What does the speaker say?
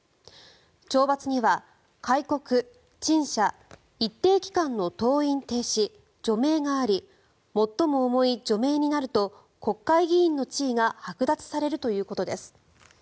懲罰には戒告、陳謝一定期間の登院停止、除名があり最も重い除名になると国会議員の地位がはく奪されるということです。